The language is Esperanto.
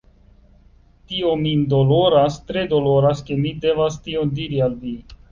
Tio min doloras, tre doloras, ke mi devas tion diri al vi.